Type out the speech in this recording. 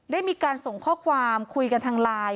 ได้มีการส่งข้อความคุยกันทางไลน์